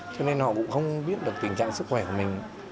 cho nên họ cũng không biết được tình trạng sức khỏe của mình